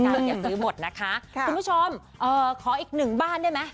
อย่าซื้อหมดนะคะคุณผู้ชมขออีกหนึ่งบ้านได้ไหม